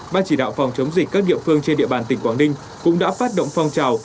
ban chỉ đạo phòng chống dịch các địa phương trên địa bàn tỉnh quảng ninh cũng đã phát động phong trào